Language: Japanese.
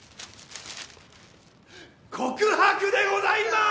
告白でございます！